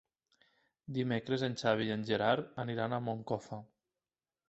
Dimecres en Xavi i en Gerard aniran a Moncofa.